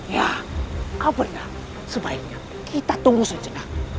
ya apanya sebaiknya kita tunggu sejenak